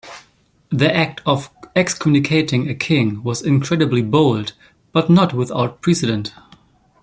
The act of excommunicating a king was incredibly bold, but not without precedent.